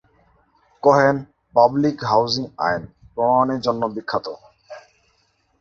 Cohen "public housing আইন" প্রণয়নের জন্যে বিখ্যাত।